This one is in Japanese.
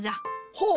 ほう？